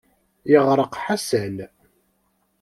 Yeɣreq Ḥasan.